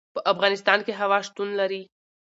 په افغانستان کې هوا شتون لري.